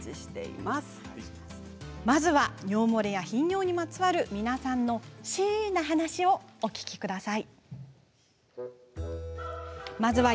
まず尿漏れや頻尿にまつわる皆さんのシーっな話をお聞きください。